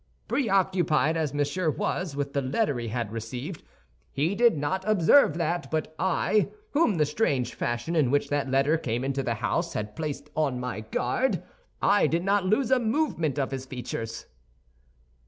"Preoccupied as Monsieur was with the letter he had received, he did not observe that; but I, whom the strange fashion in which that letter came into the house had placed on my guard—I did not lose a movement of his features."